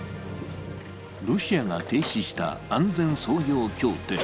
ロシアが停止した安全操業協定。